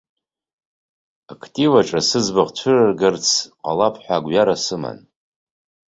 Актив аҿы сыӡбахә цәырыргар ҟалап ҳәа агәҩара сыман.